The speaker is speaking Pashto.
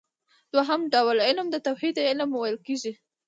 دوهم ډول علم ته د توحيد علم ويل کېږي .